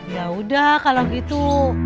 yaudah kalau gitu